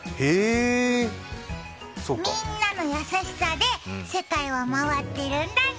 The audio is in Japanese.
みんなの優しさで世界は回っているんだね。